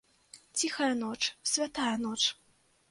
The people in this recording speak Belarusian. Ціхая ноч, святая ноч!